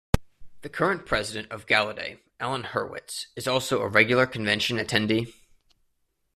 The current president of Gallaudet, Alan Hurwitz, is also a regular convention attendee.